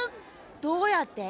どうやって？